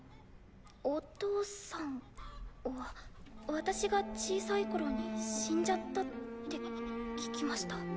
お父さんは私が小さい頃に死んじゃったって聞きました。